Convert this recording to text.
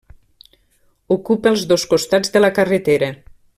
Ocupa els dos costats de la carretera.